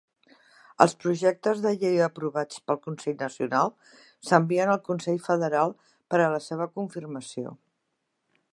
Els projectes de llei aprovats pel Consell Nacional s'envien al Consell Federal per a la seva confirmació.